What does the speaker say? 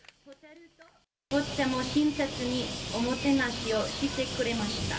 とっても親切におもてなしをしてくれました。